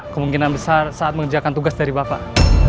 kemungkinan besar saat mengerjakan tugas dari bapak